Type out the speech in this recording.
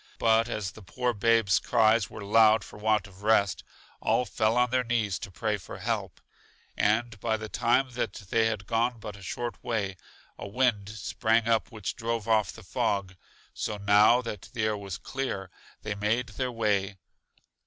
But as the poor babes' cries were loud for want of rest, all fell on their knees to pray for help. And, by the time that they had gone but a short way, a wind sprang up which drove off the fog; so, now that the air was clear, they made their way.